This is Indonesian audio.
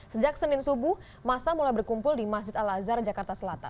sejak senin subuh masa mulai berkumpul di masjid al azhar jakarta selatan